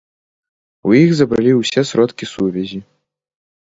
У іх забралі ўсе сродкі сувязі.